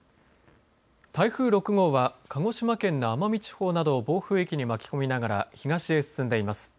台風６号は鹿児島県の奄美地方などを暴風域に巻き込みながら東へ進んでいます。